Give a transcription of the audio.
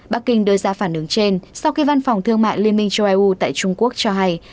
bắc kinh đưa ra phản ứng trên sau khi văn phòng thương mại liên minh châu eu tại trung quốc cho hay